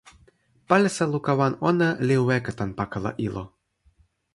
palisa luka wan ona li weka tan pakala ilo.